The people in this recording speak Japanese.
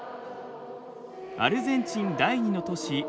アルゼンチン第２の都市